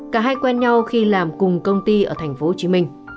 cả hai quen nhau khi làm cùng công ty ở tp hcm